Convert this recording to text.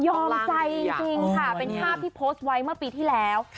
ใจจริงค่ะเป็นภาพที่โพสต์ไว้เมื่อปีที่แล้ว